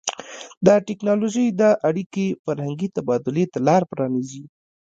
د ټیکنالوژۍ دا اړیکې فرهنګي تبادلې ته لار پرانیزي.